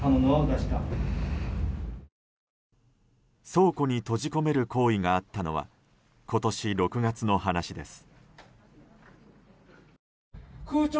倉庫に閉じ込める行為があったのは今年６月の話です。